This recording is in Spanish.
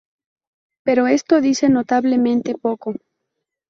Pero esto dice notablemente poco.